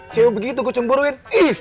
sew begitu gue cemburuin